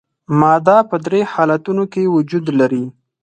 ماده په درې حالتونو کې وجود لري.